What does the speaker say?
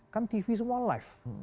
kan tv semua live